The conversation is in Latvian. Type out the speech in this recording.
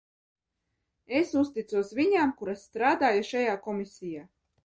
Es uzticos viņām, kuras strādāja šajā komisijā.